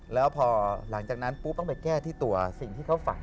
แล้วพอหลังจากนั้นปุ๊บต้องไปแก้ที่ตัวสิ่งที่เขาฝัน